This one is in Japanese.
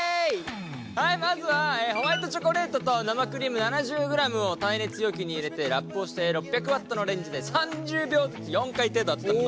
はいまずはホワイトチョコレートと生クリーム７０ｇを耐熱容器に入れてラップをして６００Ｗのレンジで３０秒ずつ４回程度温めます。